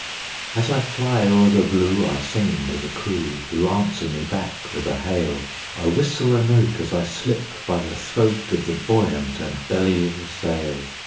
As I fly o'er the blue I sing to the crew, Who answer me back with a hail; I whistle a note as I slip by the throat Of the buoyant and bellying sail.